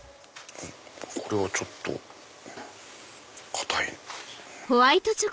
これはちょっと硬い。